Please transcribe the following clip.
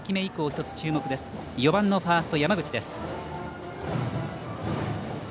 バッターは４番のファースト、山口です。